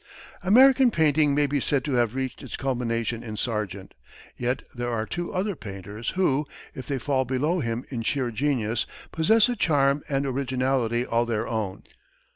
American painting may be said to have reached its culmination in Sargent, yet there are two other painters, who, if they fall below him in sheer genius, possess a charm and originality all their own.